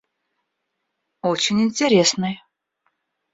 Очень интересный.